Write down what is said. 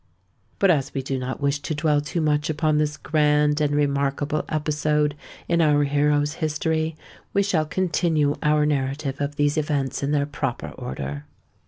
But as we do not wish to dwell too much upon this grand and remarkable episode in our hero's history, we shall continue our narrative of these events in their proper order.